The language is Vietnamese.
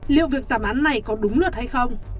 liệu việc giảm án này có đúng luật hay không